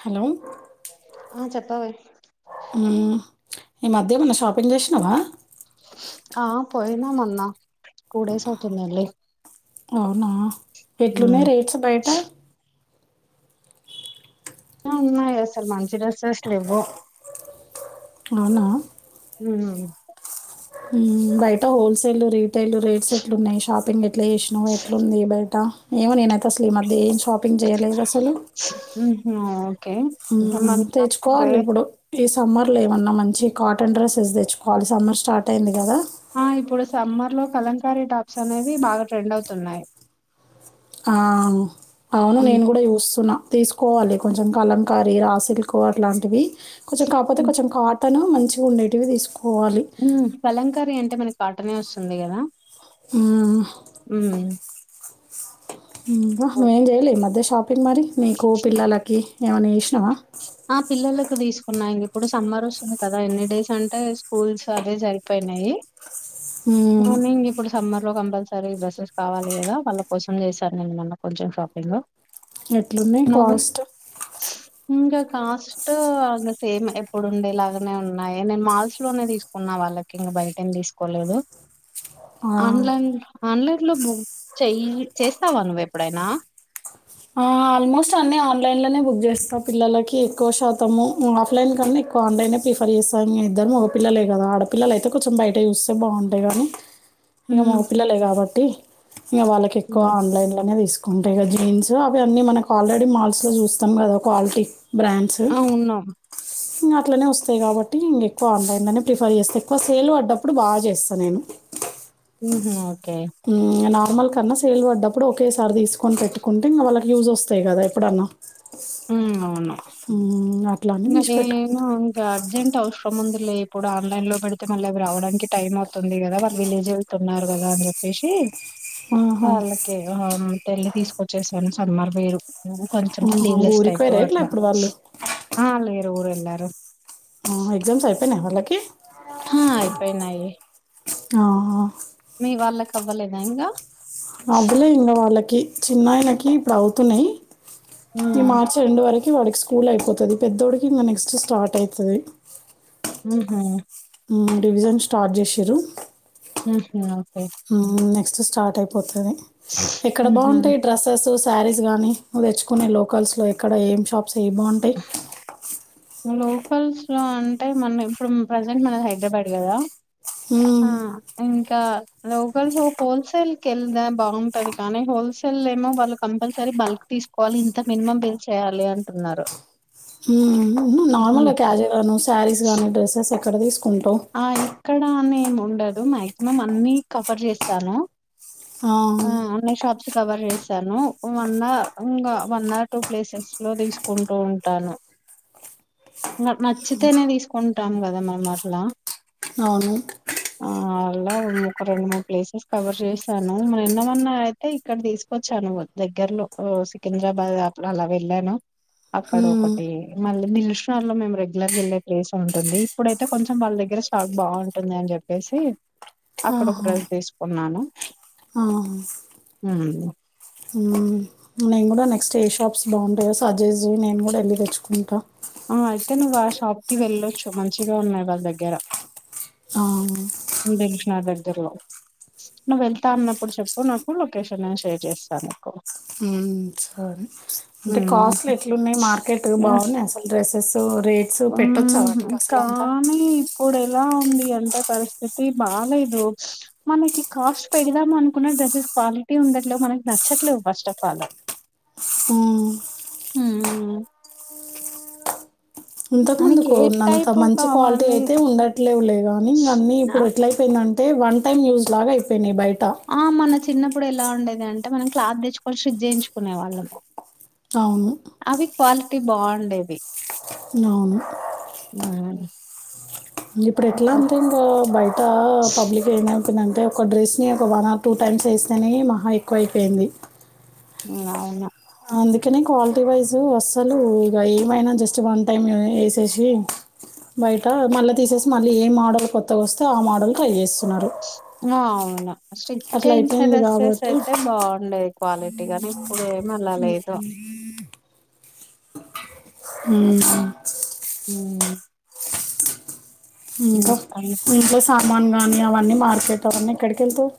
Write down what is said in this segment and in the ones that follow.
Hello ఆ చెప్పవే ఈ మధ్యేమన్న షాపింగ్ చేసినావా ఆ పోయినా మన్నా టుడేస్ అవుతుంది వెళ్లి అవునా ఎట్లున్నాయి రేట్స్ బయట ఉన్నాయా అసలు మంచి డ్రెస్సెస్లు లే వ్వు అవునా హ్మ్ బాయట హోల్సేల్ రేట్ టైలు రేట్స్ ఎట్లు ఉన్నాయి షాపింగ్ ఎట్లా చేసినావు ఎట్లు ఉంది బయట ఏమో నేనైతే అసలు ఈ మధ్య ఏమి చూడలేదు షాపింగ్ చేయలేదు అసలు ఉహు, ఓకే మొన్న తెచ్చుకోవాలి వే- ఇప్పుడు ఈ సమ్మర్లో ఏమన్నా మంచి కాటన్ డ్రెస్సెస్ తెచ్చువాలి సమ్మర్ స్టార్ట్ అయింది కదా ఆ ఇప్పుడు సమ్మర్ లో కలంకారీ టాప్స్ అనేవి బాగా ట్రెండ్ అవుతున్నాయి ఆ అవును ఉమ్, నేను కూడా చూస్తున్నా తీసుకోవాలి కొంచెం కలంకరీ రాసిల్క్ అట్లాంటివి కొంచెం కాపోతే కొంచెం కాట్ తను మంచిగా ఉండేవి తీసుకు ఉ కాలంకరి అంట అంటే మనకి కాటనే వస్తుంది కదా ఉ ఉమ్. నువ్వు ఏం చేయలే ఈ మధ్య షాప్ షాపింగ్ మరి నీకు పిల్లలకి ఏమైనా చేష్ ఆ పిల్లలకు తీసుకున్నా ఇప్పుడు సమ్మర్ వస్తుంది కదా ఎన్ని డేస్ అంటే స్కూల్స్ అదే సరిపోయినాయి హ్మ్. మార్నిగ్ ఇప్పుడు సమ్మర్ లో కంపల్సరీ డ్రెస్సెస్ కావాలి కదా వాళ్ళ కోసం చేశను నేను మొన్న కొంచెం షాపింగ్ ఎట్లున్నాయి నువ్వు కాస్ట్ ఇంకా కాస్ట్ ఇ సేమ్ ఎప్పుడు ఉండేలాగానే ఉన్నాయి నేను మాల్స్ లోనే తీసుకున్నా వాళ్ళకి ఇంక బయట ఏం తీసుకోలేదు ఆ! ఆన్లైన్ లో ఆన్లైన్ లో బుక్ చెయ్ చేస్తావా నువ్వు ఎప్పుడైనా ఆ! ఆల్మోస్ట్ అన్నీ ఆన్లైన్లోనే బుక్ చేస్తా పిల్లలకి ఎక్కువ శాతము ఆఫ్లైన్ కన్నా ఎక్కువ ఆన్లైనే ప్రిఫర్ చేస్తా ఇద్దరు మగపిల్లలే కదా ఆడపిల్లలయితే కొంచెం బయట చూస్తే బాగుంటాయి కానీ ఇగా ఉమ్, మగ పిల్లలే కాబట్టి ఇంక వాళ్ళకి ఎక్కువ ఉమ్. ఆన్లైన్ లోనే తీసు ఉంటాయిగా జీన్స్ అన్ని మనకి ఆల్రెడీ మాల్స్ లో చూస్తాం కదా క్వాలిటీ బ్రాండ్స్ అవును ఇగ అట్లనే వస్ వస్తాయి కాబట్టి ఇంగ ఎక్కువ ఆన్లైన్నే ప్రిఫర్ చేస్తా ఎక్కువ సేల్ పడ్డప్పుడు బాగా చేస్తా నేను ఉహు ఓకే ఇంక నార్మల్ కన్నా సేల్ పడ్డప్పుడు ఒకేసారి తీసుకోని పెట్టుకుంటే ఇంగా వాళ్ళ యూజ్ వస్తాయి కదా ఎప్పుడన్నా ఉం అవును ఉమ్, అట్లా అని ఇంగ తీసి నేను పెట్టుకుంటాను ఇంక అర్జెంట్ అవసరం ఉంది ఇ ఇప్పుడు ఆన్లైన్ లో పెడితే మళ్ళీ అవి రావడానికి టైం అవుతుంది కదా వాళ్ళు విలేజ్ వెళ్తున్నారు కదా అని చెప్పేసి ఆహా. అల్లకే హమ్ వెళ్లి తీసుకొచ్చేసాను సమ్మర్ వేరు నువ్వు కొంచెం ఆహా. స్లీవ్లెస్ ఊరికి టైప్ పోయారా ఎట్లా అట్లా ఇప్పుడు వాళ్ళు అ లే ఊరు ఎల్లారు ఆహా ఎగ్జామ్స్ అయ్ అయిపోయినాయ వాళ్లకి ఆ అయిపోయినాయి ఆహ మీ వాళ్ళకు అవ్వలేద ఇంకా అందులే ఇంగ వాళ్ళకి కి చిన్నయనకి ఇప్పుడు అవుతున్నాయి ఈ ఉమ్ మార్చ్ ఎండ్ వర వాడికి స్కూల్ అయిపోతది పెద్దోడికి ఇంగ నెక్స్ట్ స్టార్ట్ అయితది ఉహు ఉమ్ డివిజన్ స్టార్ట్ చేశిరూ ఉ హ్మ్ ఉమ్ నెక్స్ స్టార్ట్ అయిపోతది ఎక్కడ ఉహు బాగుంటాయి డ్రెస్సెస్ శారీస్ గానీ నువు తెచ్చుకునే లోకల్స్ లో ఇక్కడ ఏం షాప్ సె ఎ బాగుంటాయి లోకల్స్ లో అంటే మనం ఇప్పుడు ప్రజెంట్ మన హైదరాబాడ్ కదా ఆ హ్మ్ ఇంకా లోకల్ హోల్సేల్ కెళదా బాగుంటది కానీ హోల్సేల్ ఏమో వాళ్ళు కంపల్సరీ బల్క్ తీసుకోవాలి ఇంత మినిమం బిల్ చేయ్యాలి అంటున్నారు ఉమ్, ఉమ్ నార్మల్గా క్యాజువల్ గా నువ్ శారీస్గానీ డ్రెసెస్ ఎక్ క్కడ తీస్ ఆ ఇక్కడ అనేం ఉండదు మాక్సిమం అన్ని కవర్ చేస్తాను ఆ అన్ని షాప్స్ కవర్ చేశాను వన్ ఆర్ ఇంకా వన్ ఆర్ టూ ప్లేసెస్ లో తీసుకుంటూ ఉంటాను నాకు నచ్చితేనే తీసుకు టం కదా మనమట్లా అవును ఆ అలా ఒక రెండు, మూడు ప్లేసెస్ కవర్ చేశాను. నిన్న మొన్నా అయితే ఇక్కడ తీసుకొచ్చాను. దగ్గరలో సికింద్రాబాద్ అప్పుడు అలా వెళ్ళాను, అక్కడ ఉమ్, ఒకటి మళ్ళీ దిల్షర్లో మేము రెగ్యులర్గా వెళ్ళే ప్లేస్ ఉంటుంది ఇప్పుడైతే కొంచెం వాళ్ళ దగ్గర ఇడ స్టాక్ బాగుంటుంది అని చెప్పేసి అక్కడ ఒక ఆహా, డ్రెస్ తీసుకున్నాను ఆ, మ్మ్ ఉమ్, నేను కూడా నెక్స్ట్ ఏ షాప్స్ బాగుంటాయో సజేజ్ చేయ్ నేను కూడా వెళ్ళి తెచ్చుకుంటా ఆ అయితే నువ్వు ఆ షాపుకి వెళ్ళొచ్చు మంచిగా ఉన్నాయి వాళ్ళ దగ్గర అవునా దిల్శ్ నగర్ దగ్గరలో నువ్వు వెళ్తా అన్నప్పుడు చెప్పు నాకు లొకేషన్ నేను షేర్ చేస్తాను నీకు హ్మ్. సరే. అంటే కాస్ట్లు ఎట్లున్నాయి మార్కెట్ బాగున్నాయి అసలు డ్రెస్సెస్ సో రేట్స్ పెట్టొచ్చా ఉమ్ వాటికి అసలంత కానీ [unintelligible] అంటే పరిస్థితి బాలేదు మనకి కాస్ట్ పెడదామనుకునే డ్రసెస్ క్వాలిటీ ఉండట్లే మనకు నచ్చట్లే ఫస్టఫాల్ హ్మ్. ఇంతకు ముందు అంత మంచి క్వాలిటీ కావాలి అయితే ఉండట్లేలేదులే గానీ ఇంకా అన్నీ ఇప్పుడు ఎట్ల అయిపోయిందంటే వన్ టైమ్ యూస్ లాగా అయిపోయినాయి బయట్ ఆ మన చిన్నప్ ఇప్పుడే ఇలా ఉండేది అంటే మనం క్లాత్ తెచ్చుకొని స్టిచ్ చేయించుకునే వాళ్ళం అవును టి బాండేవి అవును ఇప్పుడు ఎట్లా ఉందంటే బయట పబ్లిక్ అయినా ఎందంటే ఒక డ్రెస్ని ఒక వన్ ఆర్ టూ టైమ్స్ వేస్తేనే మహా ఎక్కువ అయిపోయింది అవును అందుకనే క్వాలిటీ వైజు అస్సలు ఇక ఏమైనా జస్ట్ వన్ టైం వేసేసి బయట మళ్ళీ తీసేసి మళ్ళీ ఏ మోడల్ కొత్తగా వస్తే ఆ మోడల్ ట్రై చేస్తున్నారు ఆ అవును స్టిచ్ అట్లా చేయించిన అయిపోయింది డ్రెస్సెస్ కాబట్టి అయితే బాగుండేది క్వాలిటీ గాని ఇప్పుడు ఏమి అలా లేదు మ్మ్ మ్మ్ ఇంకా ఇంకా సామాను గానీ అవన్నీ మార్కెట్ [inaudible] ఎక్కడికెళ్తాయి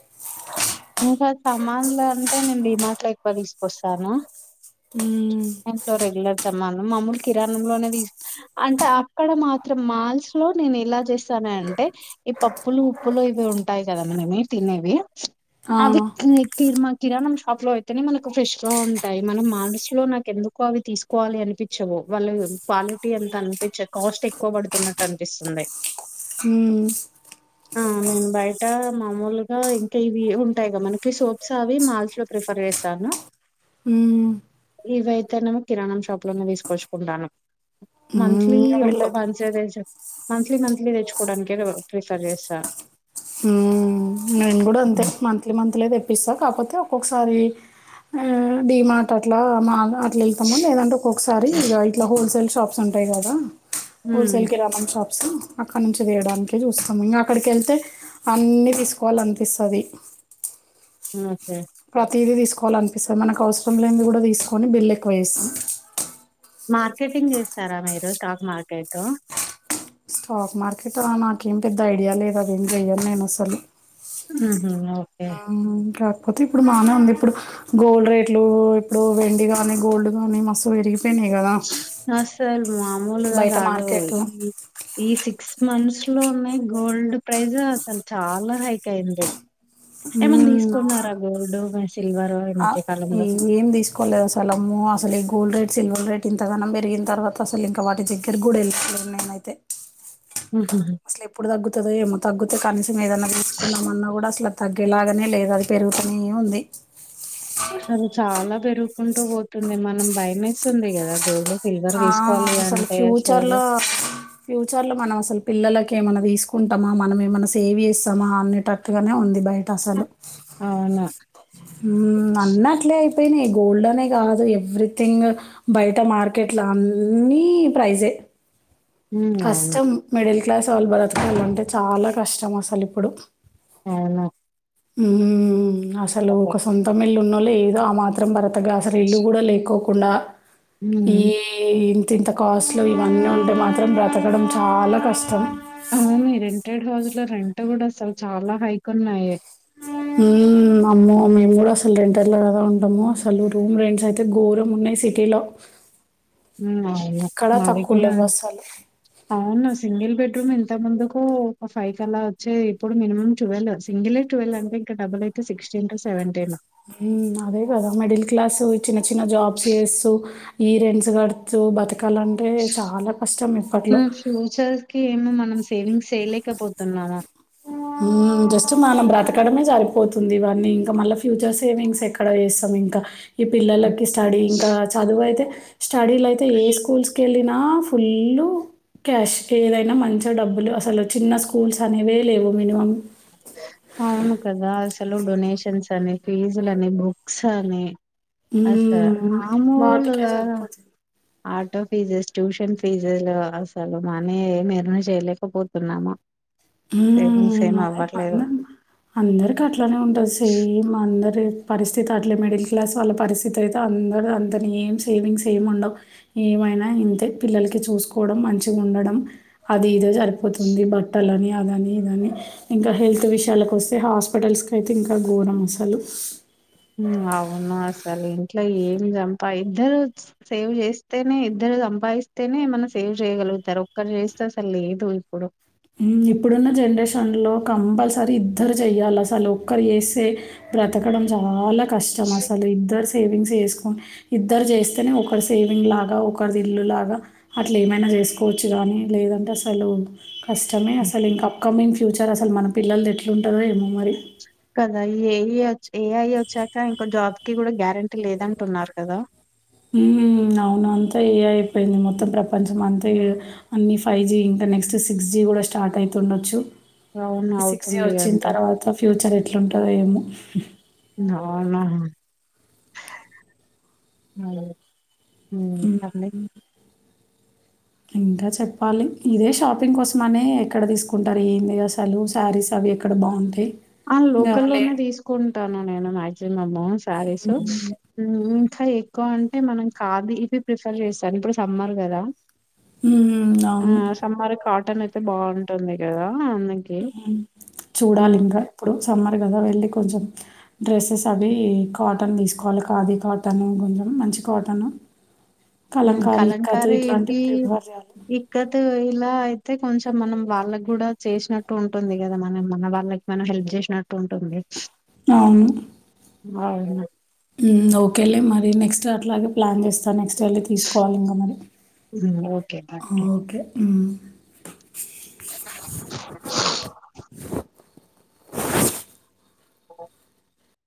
ఇంకా సామాన్లు అంటే నేను డీ మార్ట్లో ఎక్కువ తీసుకొస్తాను ఉమ్ మనం మామ్మూలు కిరణం లోనే తీస్ అంటే అక్కడ మాత్రం మాల్స్ లో నేను ఎలా చేస్తాను అంటే ఈ పప్పులు ఉప్పులు ఇవి ఉంటాయి కదా మనమి తినేవి ఆ. అవి కి-కిర్మా కిరాణం షాప్ లో అయితేనే మనకు ఫ్రెష్ గా ఉంటాయి మనం మాల్స్ లో నాకు ఎందుకు అవి తీసుకోవాలి అనిపించవు వాళ్ళు క్వాలిటీ ఎంత అనిపించ కాస్ట్ ఎక్కువ పడుతున్నట్టు అనిపిస్తుంది మ్మ్. ఆ నేను బయట మామూలుగా ఇవి ఉంటాయి గా మనకి సోప్స్ అవి మాల్స్ లో ప్రిఫర్ చేస్తాను మ్మ్. ఇవి అయితేనేమో కిరాణం షాప్ లోనే తీసుకొచ్చుకుంటాను మంత్లీ మ్మ్. ఒక వీళ్ళైతే [unintelligible] మంత్లీ మంత్లీ తెచ్చుకోవడానిక ప్రిఫర్ చేస్తా నేన్కూడా అంతే మంత్లీ మంత్లీ తెప్పిస్తా కాపోతే ఒక్కొక్కసారి ఆ డిమార్ట్ అట్ల మా అ అట్ల ఎల్తము లేదంటే ఒక్కొక్కసారి ఇట్లా హోల్సేల్ షాప్స్ ఉంటాయి కదా హోల్ ఉమ్ సేల్ కిరాణం షాప్ ప్స్ అక్కడ నుంచి వేయడానికే చూస్తాం ఇంకా అక్కడికి వెళ్తే అన్ని తీసుకోవాల పిస్తది ఉమ్ ఒకే ప్రతిదీ తీసుకోవాల అనిపిస్తుంది మనకు అవసరం లేని కూడా తీసుకొని బిల్ ఎక్కువ చేస్తాం మార్కెటింగ్ చేస్తారా మీరు స్టాక్ మార్కెటు స్టాక్ మార్కెట్ నాకేం పెద్ద ఐడియా లేదు అదేం చెయ్యన్ నేను అసలు ఉంహు ఓకే కాపోతే ఇప్పుడు బాగా ఉంది ఇప్పుడు గోల్డ్ రేట్లు ఇప్పుడు వెండి గానీ గోల్డ్ కానీ మస్తు పెరిగి అసలు మామూలుగా బయట కాదు మార్కెట్ ఉమ్ ఈ ఈ సి సిక్స్ మంత్స్ లో ఉన్నాయి గోల్డ్ ప్రైజ్ అసలు చాలా హైక్ అయింది ఏమన్ అవును తీసుకున్నారా గోల్డ్ మ ఆ ఎ ఏం తీసుకోలేదు అసలు అమ్మో అసలు ఈ గో గోల్డ్ రేట్ సిల్వర్ రేట్ ఇంతగనం పేరిగిన తర్వాత అసలు ఇంకా వాటి దగ్గర కూడా వెళ్ళట్లేదు నేనైతే అసలు ఎప్పుడు తగ్గుతదో ఏమో తగ్గుతే కనిస్ ఏదన్నా తీసుకుందమన్నా కూడా అసలు తగ్గేలాగానే లేదు అది పెరుగుతూనే ఉంది అసలు చాలా పెరుగుకుంటూ పోతుంది మనం భయమేస్తుంది కదా గోల్డు ఆ అసలు ఫ్యూచర్ లో ఫ్యూచర్ లో మనం అసలు పిల్లలకి ఏమైన్నా తీసుకుంటామా మనం ఏమైన్నా సేవ్ చేస్తామా అనేటట్టుగానే ఉంది బయట అసలు అవును హ్మ్మ్ అన్నట్లే పోయినాయ్ గోల్డనే కాదు ఎవ్రీథింగ్ బయట మార్కెట్ లో అన్ని ప్రైజే ఉమ్ అవును కష్టం మిడిల్ క్లాస్ వాళ్ళు బ్రతకాలంటే చాలా కష్టం అసలు ఇప్పుడు అవును ఉమ్ అసలు ఒక సొంతం ఇల్లు ఉన్న ఏదో ఆ మాత్రం బ్రతక అసలు ఇల్లు కూడా లేకోకుండా ఈ ఉమ్ ఇంత కాస్ట్లు ఇవన్నీ ఉంటే మాత్రం బ్రతకడం చాలా కష్టం అవును రెంటెడ్ హౌస్ లో రెంట్ కూడా అసలు చాలా హైక్ ఉన్నాయి అమ్మో మేము కూడా అసలు రెంటర్లా కద ఉంటాము అసలు రూమ్ రెంట్స్ అయితే ఘోరం ఉన్నాయి సిటీలో అవునా ఎక్కడా మాది తక్కువ కూడా లేవసలు. అవునా సింగిల్ బెడ్రూమ్ ఇంత ముందుకు ఒక ఫైవ్ కలా వచ్చేవి ఇప్పుడు మీనిమమ్ టువెల్వ్ సింగిలే ట్వెల్వ్ అంటే ఇంకా డబుల్ అయితే సిక్స్టీన్ టు సెవెంటీన్ హ్మ్మ్ అదే కదా మిడిల్ క్లాస్ చిన్న చిన్న జాబ్స్ చేస్తూ ఈ రెంట్స్ కడుతూ బతుక కాలంటే చాలా కష్టం ఇప్పట్లో హ్మ్. ఫ్యూచర్‌కి ఏమో సేవింగ్స్ చేయలేకపోతునము హ్మ్మ్ జస్ట్ మనం బ్రతకడమే సరిపోతుంది ఇవన్నీ ఇంకా మళ్ళా ఫ్యూచర్ సేవింగ్స్ ఎక్కడ చేస్తాం ఇంకా ఈ హ్మ్. పిల్లలకి స్టడీ ఇంకా చదువు అయితే స్టడీలు అయితే ఏ స్కూల్స్ కి వెళ్ళినా ఫుల్ క్యాష్ ఏదైనా మంచి డబ్బులు అసలు చిన్న స్కూల్స్ అనేవి లేవో మినిమమ్ అవును కదా అసలు డొనేషన్స్ అని ఫీజులు అని బుక్స్ అని ఉ అసలు వాటికే మామూలుగా సరిపోతుంది ఆటో ఫీజెస్ ట్యూషన్ ఫీజె అసలు మనీ ఏం ఎర్న్ చేయలేకపోతున్నామా హ మే అంద అందరికి అట్లానే ఉంటారు సేమ్ అ పరిస్థితి అట్లీ మిడిల్క్లాస్ పరిస్థితి అయితే అందరూ అంతే ఏం సేవింగ్స్ ఏం ఉండవ్ ఏం అయినా ఏంటే పిల్లకి చూసుకోవడం సరిపోతుంది బట్టల అని అదని ఇదని ఇంకా హెల్త్ విషయాలకు వస్తే హాస్పిటల్స్కి అయితే ఇంకా గోరంమసలు అవును అసలు ఇంట్లో ఏం చంపా ఇద్దరు సేవ్ చేస్తేనే ఇద్దరు సంపాదిస్తేనే మనం సేవ్ చేయగలుగుతారు ఒక్కరు చేస్తే అసలు లేదు ఇప్పుడు ఇప్పుడున్న జనరేషన్లో కంపల్సరీ ఇద్దరు చెయాలి అసలు ఒక్కరు చేేస్తే బ్రతకడం చాలా కష్టం అసలు ఇద్దరు సేవింగ్స్ చేసుకో ఇద్దరు చేస్తేనే ఒకరి సేవింగ్ లాగా ఒకరిది ఇల్లు లాగా అట్లా ఏమైనా చేసుకోవచ్చు కానీ లేదంటే అసలు కష్టమే హ్మ్. అసలు ఇంకా అప్కమింగ్ ఫ్యూచర్ అసలు మన పిల్లలది ఎట్లుంటుందో ఏమో మరి కదా ఏ ఏఐ వచ్చాక ఇంకో జాబ్కి కూడా గ్యారెంటీ లేదంటున్నారు కదా అవును అంతా ఏ అయిపోయింది మొత్తం ప్రపంచం అంతా అన్ని ఫైవ్ జి ఇంకా నెక్స్ట్ సిక్స్ జి కూడా స్టార్ట్ అయితుండొచ్చు అవును సిక్స్ జి అవుతుంది వచ్చిన అంట. తర్వాత ఫ్యూచర్ ఎట్లాంటందో ఏమో అవున ఉమ్ అన్ని ఇంక చెప్పాలి, ఇదే షాపింగ్ కోసమనే ఎక్కడ తీసుకుంటారు ఏంది అసలు శారీస్ అవి ఎక్కడ బాగుంటయి? ఆ లోకల్లోనే తీసుకుంటా. ట నేను మజ్జిమం ఇంకా ఎక్ క్కువ అంటే మనం ఖాదీ ఇవి ప్రిఫర్ చేస్తాం, ఇప్పుడు సమ్మర్ గదా హ్మ్. ఆ అవును. సమ్మార్ కాట్ టన్ అయితే బావుంటుంది గదా అందుక్ హ్మ్ చూడాలింగ ఇప్పుడు సమ్మర్ గదా వెళ్ళి కొంచెం డ్రెస్సెస్ అవి కాటన్ తీసుకోవాలి ఖాదీ కాటన్, కొంచెం మంచి కాటన్ హ్మ్ కలంకారి ఈ ప్రిఫర్ చేయాలి. ఇక్కతు ఇలా అయిప్ తే కొంచం మనం వాళ్ళగ్గుడా చేసినట్టు ఉంటుంది కదా, మనం మన వాళ్ళకి మనం హెల్ప్ జేసినట్టు ఉంటుంది. అవును. బావుంద? హ్మ్ ఓకెలే మరి నెక్స్ట్ అట్లాగే ప్లాన్ చేస్ గ నెక్స్ట్ ఎళ్ళి తీసుకోవాలి మనది హ్మ్. ఓకే బాయ్ ఆ ఓకే. ఉమ్